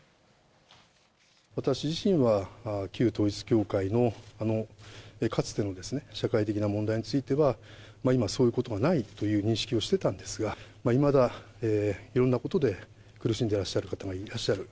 私自身は旧統一教会のあのかつての社会的な問題については、今、そういうことはないという認識をしてたんですが、いまだいろんなことで苦しんでらっしゃる方がいらっしゃる。